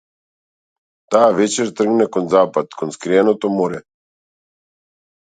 Таа вечер тргна кон запад, кон скриеното море.